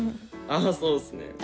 ああそうっすね。